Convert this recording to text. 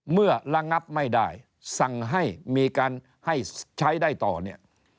เมื่อระงับไม่ได้สั่งให้มีการให้ใช้ได้ต่อเนี่ย